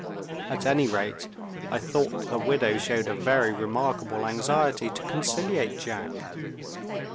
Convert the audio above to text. At any rate, I thought the widow showed a very remarkable anxiety to conciliate Jack.